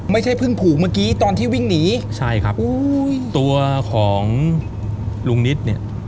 ไม่ใช่เพิ่งผูกเมื่อกี้ตอนที่วิ่งหนีใช่ครับตัวของลุงนิดเนี่ย